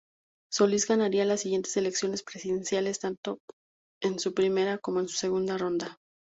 Solís ganaría las siguientes elecciones presidenciales tanto en primera como en segunda ronda.